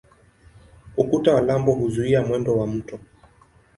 Ukuta wa lambo huzuia mwendo wa mto.